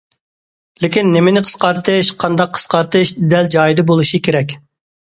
لېكىن نېمىنى قىسقارتىش، قانداق قىسقارتىش دەل جايىدا بولۇشى كېرەك.